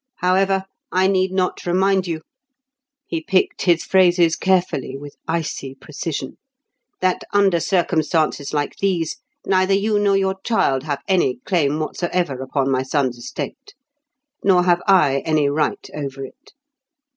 However, I need not remind you"—he picked his phrases carefully with icy precision—"that under circumstances like these neither you nor your child have any claim whatsoever upon my son's estate. Nor have I any right over it.